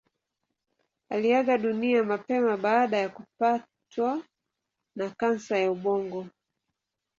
Aliaga dunia mapema baada ya kupatwa na kansa ya ubongo.